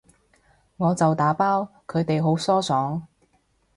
我就打包，佢哋好疏爽